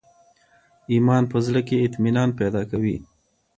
ایمان په زړه کي اطمینان پیدا کوي.